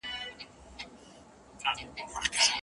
د ساینس په برخه کي د څېړني بڼه متفاوته ده.